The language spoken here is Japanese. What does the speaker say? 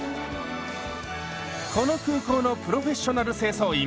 この空港のプロフェッショナル清掃員